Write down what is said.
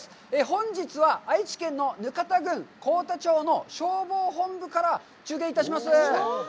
本日は、愛知県の額田郡幸田町の消防本部から中継いたします。